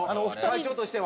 会長としては。